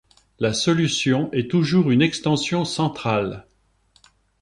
La solution est toujours une extension centrale.